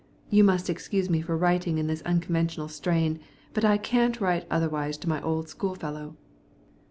You must excuse me for writing in this unconventional strain, but I can't write otherwise to my old schoolfellow.